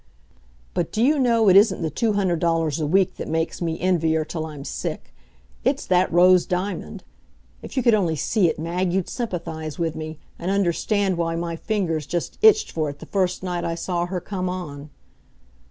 But do you know it isn't the two hundred dollars a week that makes me envy her till I'm sick; it's that rose diamond. If you could only see it, Mag, you'd sympathize with me, and understand why my fingers just itched for it the first night I saw her come on.